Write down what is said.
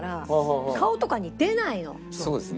そうですね。